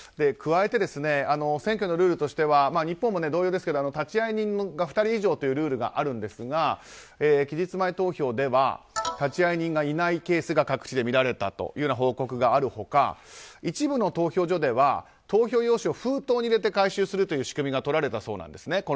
加えて、選挙のルールとしては日本も同様ですが、立会人が２人以上というルールがあるんですが期日前投票では立会人がいないケースが各地で見られたという報告がある他一部の投票所では投票用紙を封筒に入れて回収するという仕組みがとられたそうなんですね。